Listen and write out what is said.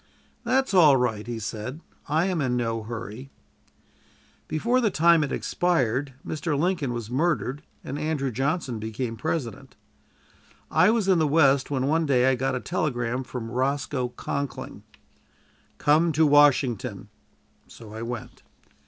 "That's all right," he said; "I am in no hurry." Before the time had expired, Mr. Lincoln was murdered and Andrew Johnson became President. I was in the West, when one day I got a telegram from Roscoe Conkling: "Come to Washington." So I went.